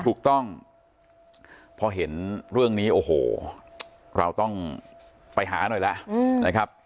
ถูกต้องพอเห็นเรื่องนี้โอ้โหเราต้องไปหาหน่อยแล้วนะครับ